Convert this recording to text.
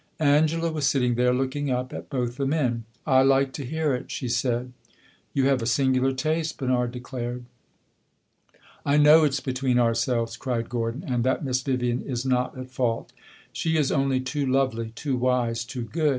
Angela was sitting there, looking up at both the men. "I like to hear it," she said. "You have a singular taste!" Bernard declared. "I know it 's between ourselves," cried Gordon, "and that Miss Vivian is not at fault. She is only too lovely, too wise, too good!